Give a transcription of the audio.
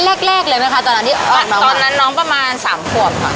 แรกแรกเลยนะคะตอนนั้นที่ตอนนั้นน้องประมาณสามคนค่ะ